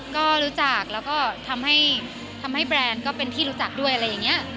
ก็รู้จักแล้วก็ทำให้แบรนด์ก็เป็นที่รู้จักด้วยอะไรอย่างนี้